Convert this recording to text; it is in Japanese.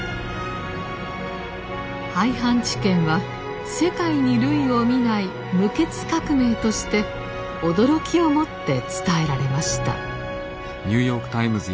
廃藩置県は世界に類を見ない無血革命として驚きをもって伝えられました。